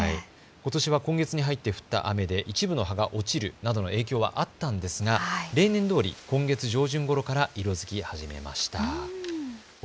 ことしは今月に入って降った雨で一部の葉が落ちるなどの影響はあったんですが例年どおり今月上旬ごろから色づき始めました。